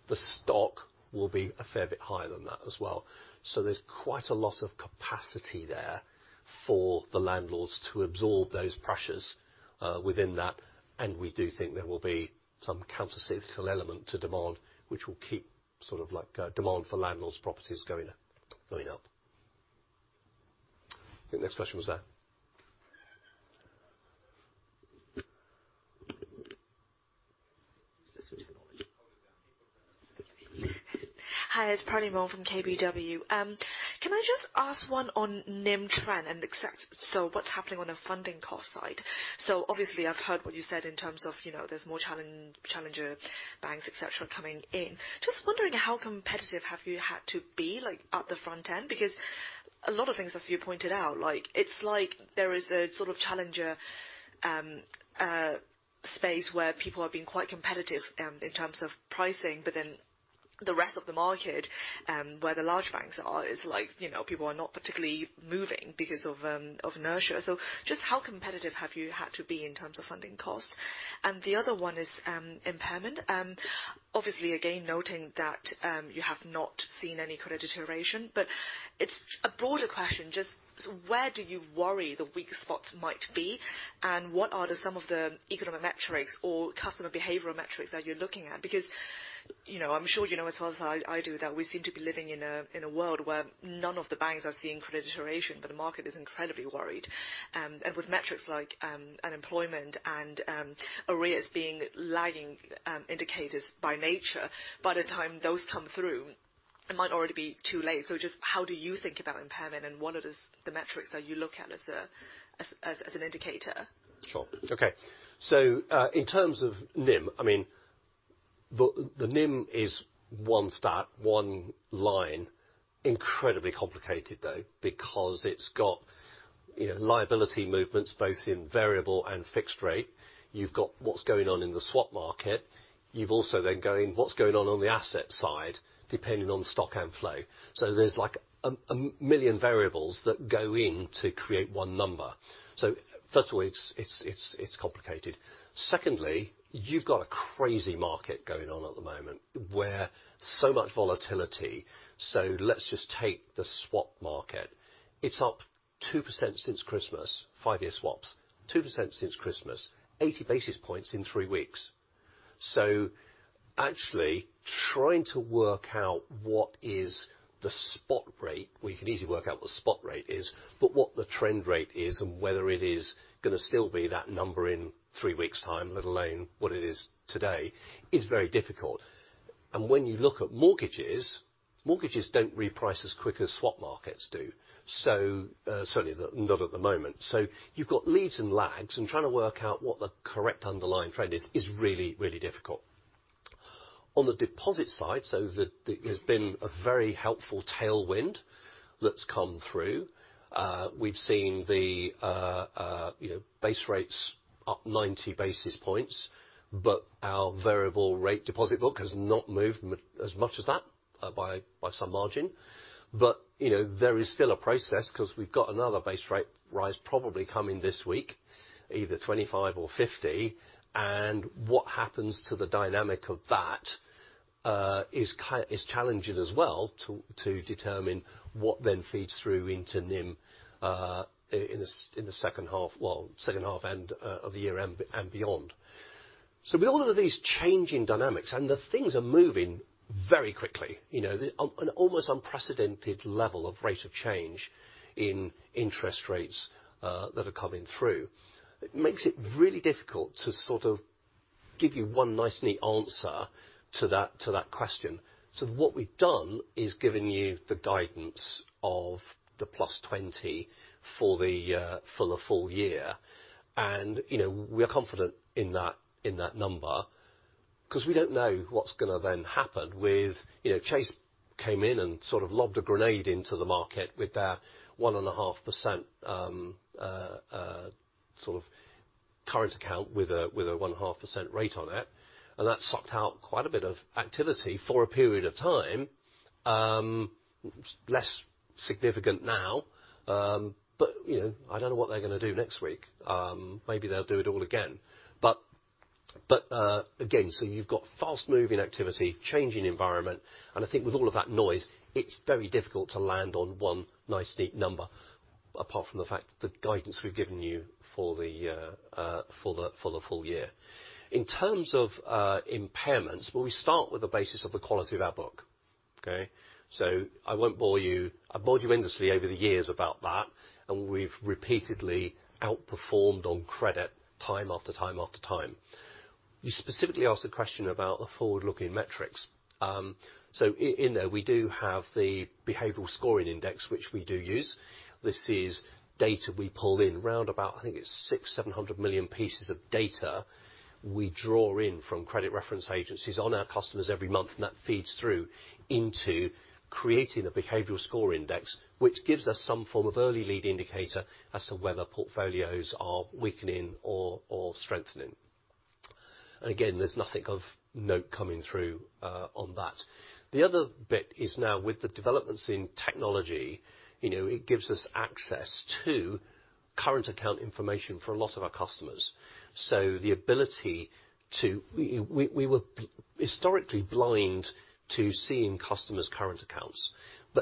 The stock will be a fair bit higher than that as well. There's quite a lot of capacity there for the landlords to absorb those pressures within that. We do think there will be some countercyclical element to demand, which will keep sort of like demand for landlords' properties going up. I think the next question was there. Hi, it's Perlie Mong from KBW. Can I just ask one on NIM trend. So what's happening on a funding cost side? Obviously, I've heard what you said in terms of, you know, there's more challenger banks, et cetera, coming in. Just wondering how competitive have you had to be like at the front end? Because a lot of things, as you pointed out, like it's like there is a sort of challenger space where people are being quite competitive in terms of pricing. But then the rest of the market, where the large banks are, is like, you know, people are not particularly moving because of of inertia. Just how competitive have you had to be in terms of funding costs? And the other one is impairment. Obviously again, noting that you have not seen any credit deterioration, but it's a broader question. Just where do you worry the weak spots might be, and what are some of the economic metrics or customer behavioral metrics that you're looking at? Because, you know, I'm sure you know as well as I do that we seem to be living in a world where none of the banks are seeing credit deterioration, but the market is incredibly worried. With metrics like unemployment and arrears being lagging indicators by nature, by the time those come through, it might already be too late. Just how do you think about impairment, and what are the metrics that you look at as an indicator? Sure. Okay. In terms of NIM, I mean, the NIM is one stat, one line. Incredibly complicated though because it's got, you know, liability movements both in variable and fixed rate. You've got what's going on in the swap market. You've also then going what's going on on the asset side, depending on stock and flow. There's like a million variables that go in to create one number. First of all, it's complicated. Secondly, you've got a crazy market going on at the moment where so much volatility. Let's just take the swap market. It's up 2% since Christmas, five-year swaps, 2% since Christmas, 80 basis points in three weeks. Actually trying to work out what is the spot rate, we can easily work out what the spot rate is, but what the trend rate is and whether it is gonna still be that number in three weeks time, let alone what it is today, is very difficult. When you look at mortgages don't reprice as quick as swap markets do, so certainly not at the moment. You've got leads and lags, and trying to work out what the correct underlying trend is is really, really difficult. On the deposit side, there's been a very helpful tailwind that's come through. We've seen the, you know, base rates up 90 basis points, but our variable rate deposit book has not moved as much as that by some margin. You know, there is still a process 'cause we've got another base rate rise probably coming this week, either 25 or 50, and what happens to the dynamic of that is challenging as well to determine what then feeds through into NIM in the H2, well, H2 and of the year and beyond. With all of these changing dynamics, and the things are moving very quickly, you know, an almost unprecedented level of rate of change in interest rates that are coming through, it makes it really difficult to sort of give you one nice, neat answer to that question. What we've done is given you the guidance of the +20 for the full year. You know, we're confident in that number 'cause we don't know what's gonna then happen with. You know, Chase came in and sort of lobbed a grenade into the market with their 1.5% sort of current account with a 0.5% rate on it, and that sucked out quite a bit of activity for a period of time. Less significant now, but, you know, I don't know what they're gonna do next week. Maybe they'll do it all again. Again, so you've got fast moving activity, changing environment, and I think with all of that noise, it's very difficult to land on one nice, neat number apart from the fact the guidance we've given you for the full year. In terms of impairments, well, we start with the basis of the quality of our book. Okay. I won't bore you. I bored you endlessly over the years about that, and we've repeatedly outperformed on credit time after time after time. You specifically asked a question about the forward-looking metrics. In there, we do have the behavioral scoring index, which we do use. This is data we pull in, round about I think it's 600-700 million pieces of data we draw in from credit reference agencies on our customers every month, and that feeds through into creating a behavioral score index, which gives us some form of early lead indicator as to whether portfolios are weakening or strengthening. Again, there's nothing of note coming through on that. The other bit is now with the developments in technology, you know, it gives us access to current account information for a lot of our customers. We were historically blind to seeing customers' current accounts.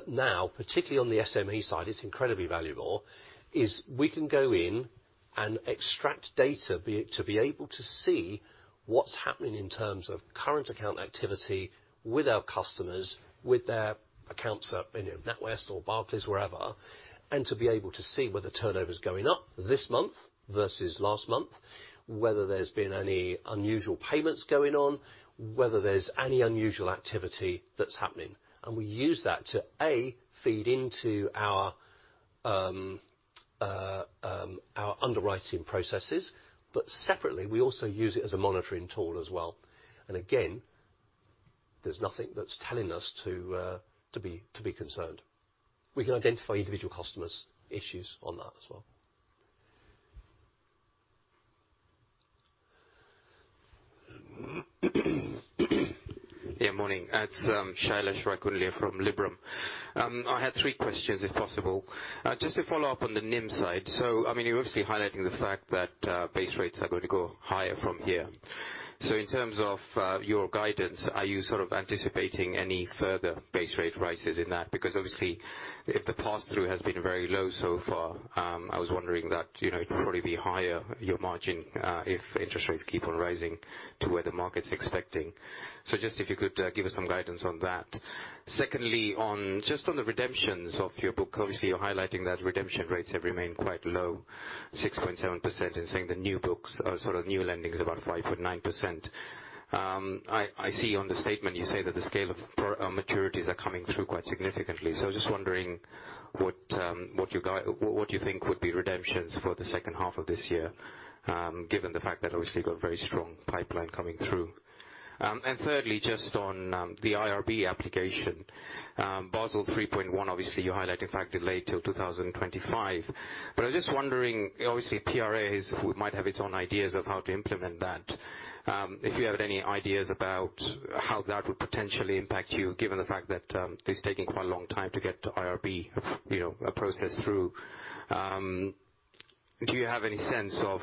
Now, particularly on the SME side, it's incredibly valuable that we can go in and extract data to be able to see what's happening in terms of current account activity with our customers, with their accounts at, you know, NatWest or Barclays, wherever, and to be able to see whether turnover's going up this month versus last month, whether there's been any unusual payments going on, whether there's any unusual activity that's happening. We use that to, A, feed into our underwriting processes, but separately, we also use it as a monitoring tool as well. Again, there's nothing that's telling us to be concerned. We can identify individual customers' issues on that as well. Yeah, morning. It's Shailesh Raikundlia from Liberum. I had three questions, if possible. Just to follow up on the NIM side. I mean, you're obviously highlighting the fact that base rates are going to go higher from here. In terms of your guidance, are you sort of anticipating any further base rate rises in that? Because obviously, if the pass-through has been very low so far, I was wondering that, you know, it'd probably be higher, your margin, if interest rates keep on rising to where the market's expecting. Just if you could give us some guidance on that. Secondly, just on the redemptions of your book, obviously you're highlighting that redemption rates have remained quite low, 6.7%, and saying the new books, or sort of new lending's about 5.9%. I see on the statement you say that the scale of maturities are coming through quite significantly. I was just wondering what do you think would be redemptions for the second half of this year, given the fact that obviously you've got a very strong pipeline coming through. Thirdly, just on the IRB application. Basel 3.1, obviously you highlight in fact delayed till 2025. I was just wondering, obviously PRA might have its own ideas of how to implement that. If you have any ideas about how that would potentially impact you, given the fact that it's taking quite a long time to get the IRB, you know, process through. Do you have any sense of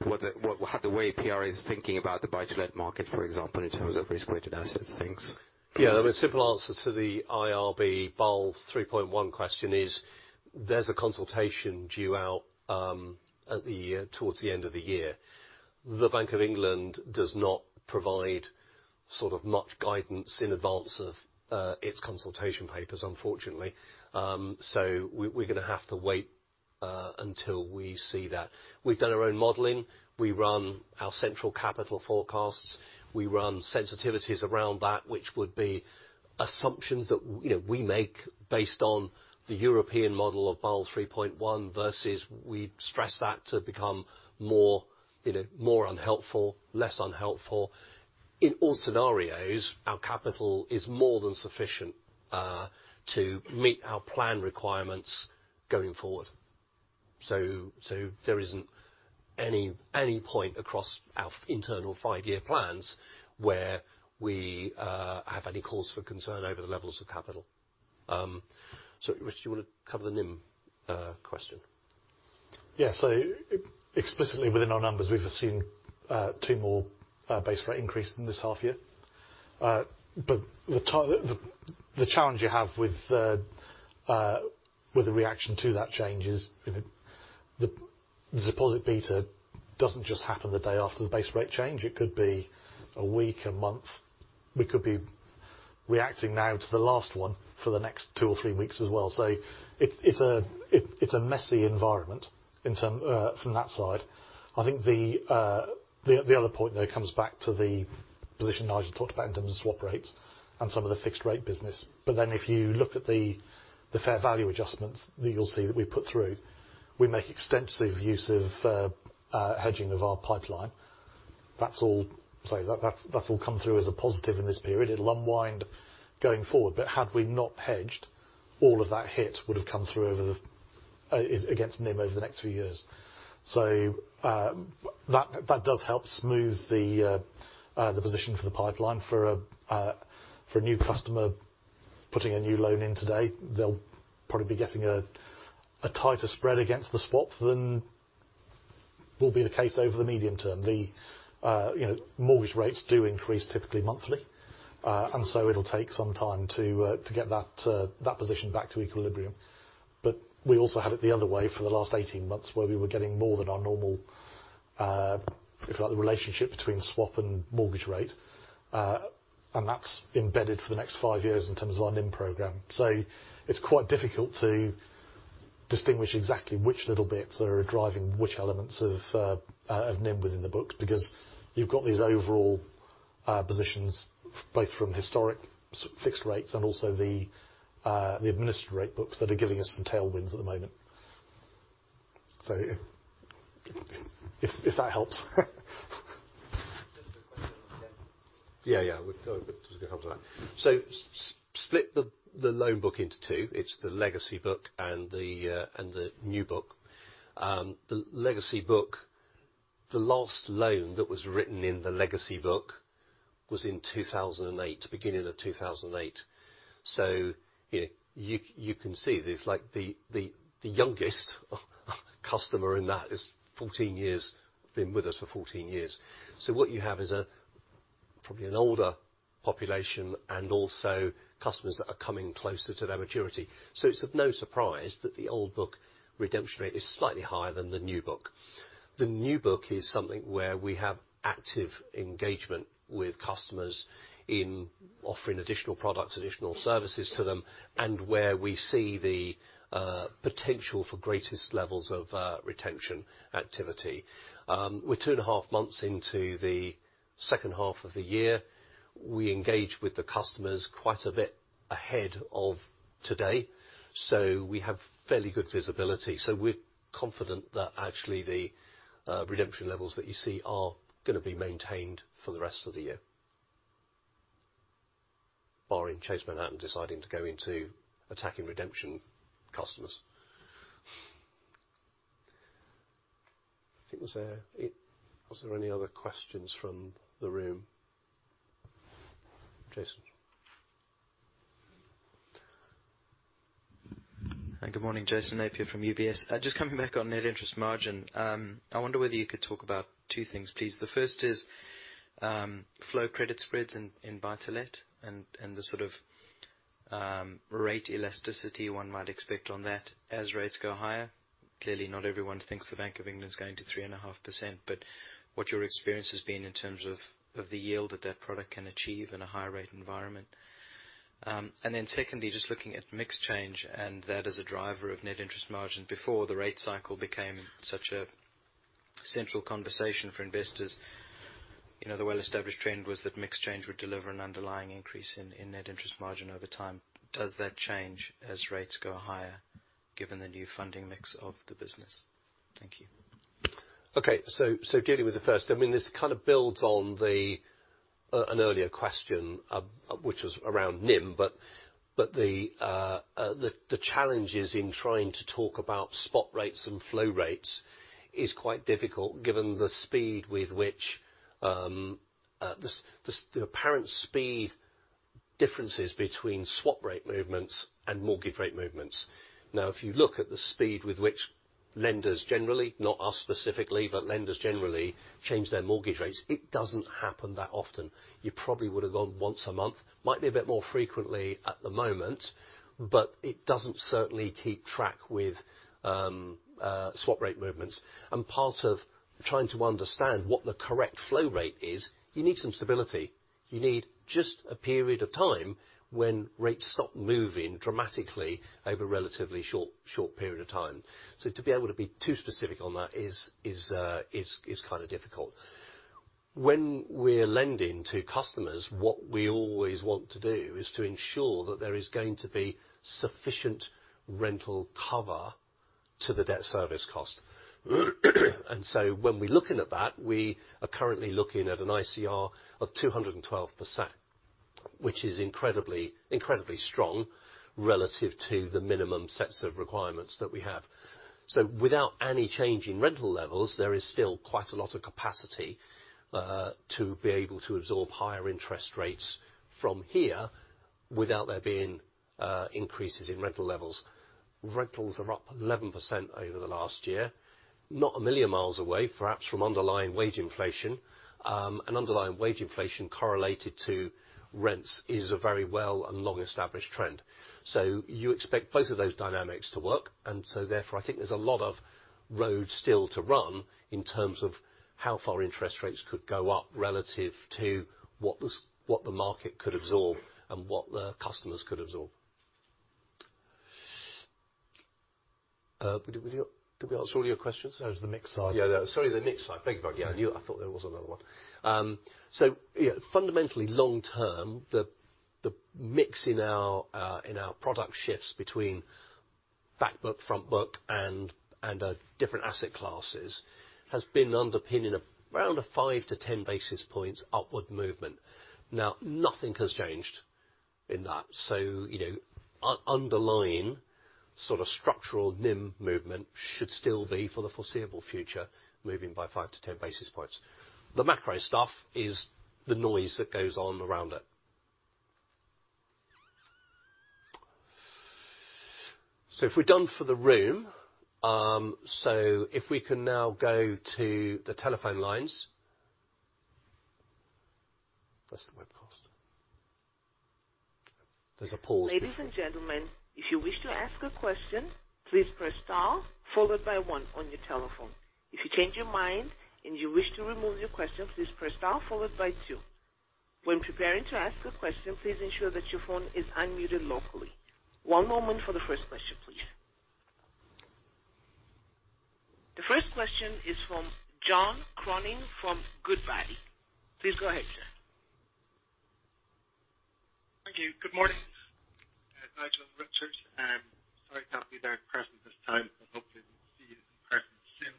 the way PRA is thinking about the buy-to-let market, for example, in terms of risk-weighted assets things? Yeah. The simple answer to the IRB Basel 3.1 question is there's a consultation due out towards the end of the year. The Bank of England does not provide sort of much guidance in advance of its consultation papers, unfortunately. We're gonna have to wait until we see that. We've done our own modeling. We run our central capital forecasts. We run sensitivities around that, which would be assumptions that, you know, we make based on the European model of Basel 3.1 versus we stress that to become more, you know, more unhelpful, less unhelpful. In all scenarios, our capital is more than sufficient to meet our plan requirements going forward. There isn't any point across our formal internal five-year plans where we have any cause for concern over the levels of capital. Rich, do you wanna cover the NIM question? Explicitly within our numbers, we've assumed two more base rate increase in this half year. The challenge you have with the reaction to that change is, you know, the deposit beta doesn't just happen the day after the base rate change. It could be a week, a month. We could be reacting now to the last one for the next two or three weeks as well. It's a messy environment from that side. I think the other point there comes back to the position Nigel talked about in terms of swap rates and some of the fixed rate business. If you look at the fair value adjustments that you'll see that we put through, we make extensive use of hedging of our pipeline. That's all come through as a positive in this period. It'll unwind going forward, but had we not hedged, all of that hit would have come through against NIM over the next few years. That does help smooth the position for the pipeline. For a new customer putting a new loan in today, they'll probably be getting a tighter spread against the swap than will be the case over the medium term. You know, mortgage rates do increase typically monthly, and so it'll take some time to get that position back to equilibrium. We also had it the other way for the last 18 months, where we were getting more than our normal, if you like, the relationship between swap and mortgage rate. And that's embedded for the next five years in terms of our NIM program. It's quite difficult to distinguish exactly which little bits are driving which elements of NIM within the book, because you've got these overall positions both from historic fixed rates and also the administered rate books that are giving us some tailwinds at the moment. If that helps. Just a question on the book. Yeah, yeah. Just gonna answer that. Split the loan book into two. It's the legacy book and the new book. The legacy book, the last loan that was written in the legacy book was in 2008, beginning of 2008. You know, you can see there's like the youngest customer in that is 14 years, been with us for 14 years. What you have is probably an older population and also customers that are coming closer to their maturity. It's of no surprise that the old book redemption rate is slightly higher than the new book. The new book is something where we have active engagement with customers in offering additional products, additional services to them, and where we see the potential for greatest levels of retention activity. We're two and a half months into the H2 of the year. We engage with the customers quite a bit ahead of today, so we have fairly good visibility. We're confident that actually the redemption levels that you see are gonna be maintained for the rest of the year. Barring Chase Manhattan deciding to go into attracting redemption customers. Was there any other questions from the room? Jason. Hi, good morning. Jason Napier from UBS. Just coming back on net interest margin. I wonder whether you could talk about two things, please. The first is flow credit spreads in buy-to-let and the sort of rate elasticity one might expect on that as rates go higher. Clearly, not everyone thinks the Bank of England is going to 3.5%, but what your experience has been in terms of the yield that that product can achieve in a higher rate environment. Secondly, just looking at mix change and that as a driver of net interest margin before the rate cycle became such a central conversation for investors. You know, the well-established trend was that mix change would deliver an underlying increase in net interest margin over time. Does that change as rates go higher, given the new funding mix of the business? Thank you. Okay. Dealing with the first, I mean, this kind of builds on an earlier question, which was around NIM, but the challenge is in trying to talk about spot rates and flow rates is quite difficult given the speed with which the apparent speed differences between swap rate movements and mortgage rate movements. Now, if you look at the speed with which lenders generally, not us specifically, but lenders generally change their mortgage rates, it doesn't happen that often. You probably would have gone once a month. Might be a bit more frequently at the moment, but it certainly doesn't keep track with swap rate movements. Part of trying to understand what the correct flow rate is, you need some stability. You need just a period of time when rates stop moving dramatically over a relatively short period of time. To be able to be too specific on that is kinda difficult. When we're lending to customers, what we always want to do is to ensure that there is going to be sufficient rental cover to the debt service cost. When we're looking at that, we are currently looking at an ICR of 212%, which is incredibly strong relative to the minimum sets of requirements that we have. Without any change in rental levels, there is still quite a lot of capacity to be able to absorb higher interest rates from here without there being increases in rental levels. Rentals are up 11% over the last year. Not a million miles away, perhaps from underlying wage inflation, an underlying wage inflation correlated to rents is a very well and long-established trend. You expect both of those dynamics to work, and so therefore I think there's a lot of road still to run in terms of how far interest rates could go up relative to what the market could absorb and what the customers could absorb. Did we answer all your questions? There's the mix side. Yeah. Sorry, the mix side. Beg your pardon. Yeah, I thought there was another one. Fundamentally long-term, the mix in our product shifts between back book, front book and different asset classes has been underpinning of around a 5-10 basis points upward movement. Now, nothing has changed in that. You know, underlying sort of structural NIM movement should still be, for the foreseeable future, moving by 5-10 basis points. The macro stuff is the noise that goes on around it. If we're done for the room, if we can now go to the telephone lines. That's the webcast. There's a pause. Ladies and gentlemen, if you wish to ask a question, please press star followed by one on your telephone. If you change your mind and you wish to remove your question, please press star followed by two. When preparing to ask a question, please ensure that your phone is unmuted locally. One moment for the first question, please. The first question is from John Cronin from Goodbody. Please go ahead, sir. Thank you. Good morning, Nigel and Richard. Sorry I can't be there in person this time, but hopefully we'll see you in person soon.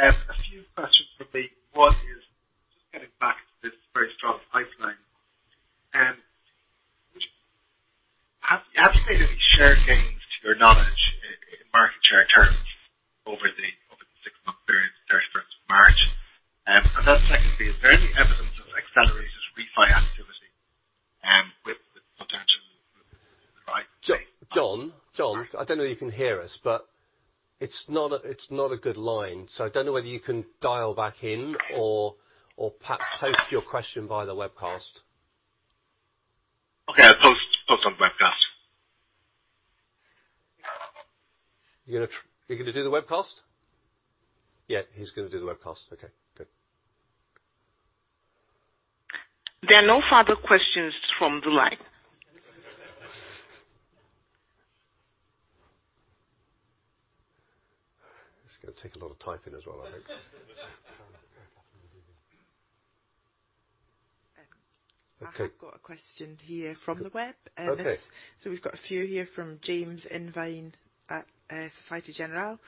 A few questions from me. One is just getting back to this very strong pipeline, have you made any share gains to your knowledge in market share terms over the six-month period, 31 March? Secondly, is there any evidence of accelerated refi activity with potential John, I don't know if you can hear us, but it's not a good line, so I don't know whether you can dial back in or perhaps post your question via the webcast. Okay. I'll post on webcast. Are you gonna do the webcast? Yeah. He's gonna do the webcast. Okay. Good. There are no further questions from the line. It's gonna take a lot of typing as well, I think. Catherine, did you hear? Um- Okay. I have got a question here from the web. Okay. We've got a few here from James Irvine at Société Générale.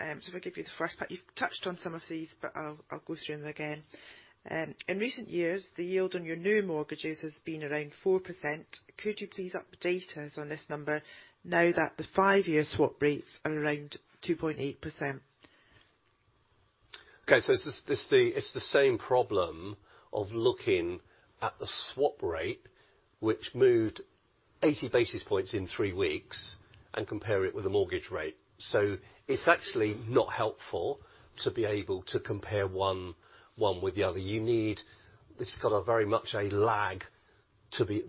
I'll give you the first part. You've touched on some of these, but I'll go through them again. In recent years, the yield on your new mortgages has been around 4%. Could you please update us on this number now that the five-year swap rates are around 2.8%? Okay, it's the same problem of looking at the swap rate, which moved 80 basis points in three weeks, and compare it with a mortgage rate. It's actually not helpful to be able to compare one with the other. This has got very much a lag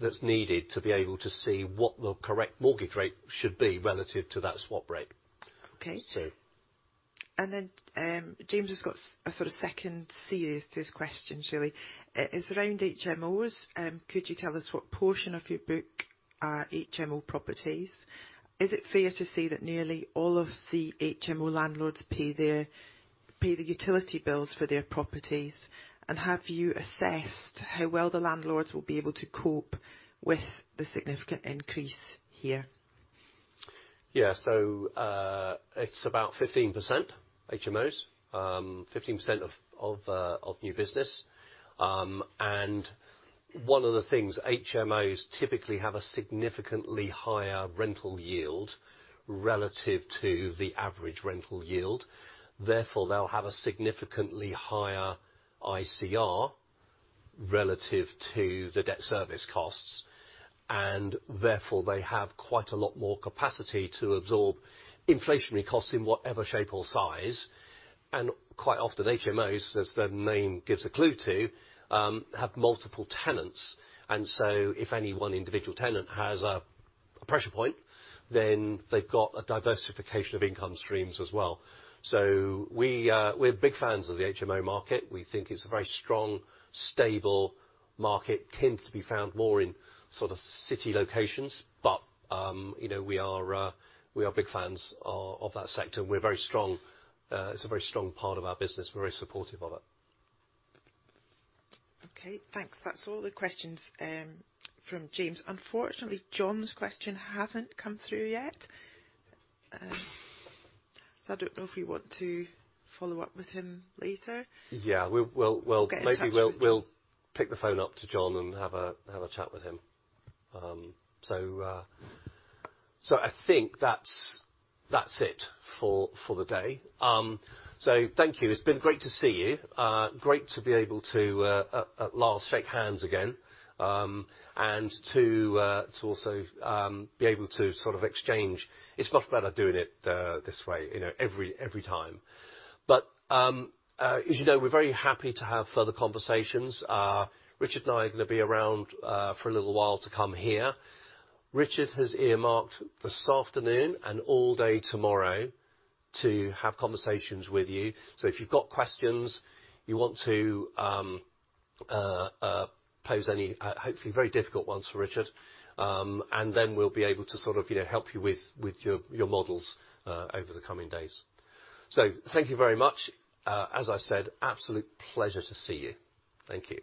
that's needed to be able to see what the correct mortgage rate should be relative to that swap rate. Okay. So. James has got a sort of second series to his question, surely. It's around HMOs. Could you tell us what portion of your book are HMO properties? Is it fair to say that nearly all of the HMO landlords pay the utility bills for their properties? Have you assessed how well the landlords will be able to cope with the significant increase here? Yeah. It's about 15% HMOs, 15% of new business. One of the things, HMOs typically have a significantly higher rental yield relative to the average rental yield, therefore, they'll have a significantly higher ICR relative to the debt service costs, and therefore they have quite a lot more capacity to absorb inflationary costs in whatever shape or size. Quite often, HMOs, as the name gives a clue to, have multiple tenants, and so if any one individual tenant has a pressure point, then they've got a diversification of income streams as well. We're big fans of the HMO market. We think it's a very strong, stable market. Tends to be found more in sort of city locations. You know, we are big fans of that sector, and we're very strong. It's a very strong part of our business. We're very supportive of it. Okay, thanks. That's all the questions from James. Unfortunately, John's question hasn't come through yet. I don't know if you want to follow up with him later. Yeah. Get in touch with John. Maybe we'll pick the phone up to John and have a chat with him. I think that's it for the day. Thank you. It's been great to see you. Great to be able to at last shake hands again, and to also be able to sort of exchange. It's much better doing it this way, you know, every time. As you know, we're very happy to have further conversations. Richard and I are gonna be around for a little while to come here. Richard has earmarked this afternoon and all day tomorrow to have conversations with you. If you've got questions, you want to pose any, hopefully very difficult ones for Richard, and then we'll be able to sort of, you know, help you with your models over the coming days. Thank you very much. As I said, absolute pleasure to see you. Thank you.